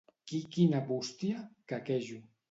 Qui-qui-na bústia? —quequejo.